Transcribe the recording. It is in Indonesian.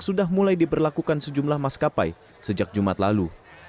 sudah mulai diberlakukan sejumlah maskapai sejak jumat lalu